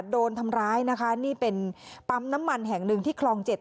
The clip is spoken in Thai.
โดนทำร้ายนะคะนี่เป็นปั๊มน้ำมันแห่งหนึ่งที่คลองเจ็ด